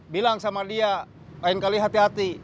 bilang sama dia lain kali hati hati